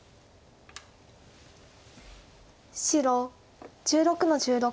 白１６の十六。